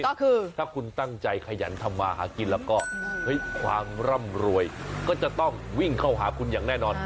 ก็คือถ้าคุณตั้งใจขยันทำมาหากินแล้วก็เฮ้ยความร่ำรวยก็จะต้องวิ่งเข้าหาคุณอย่างแน่นอน